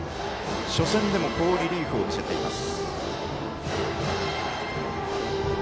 初戦でも好リリーフを見せています。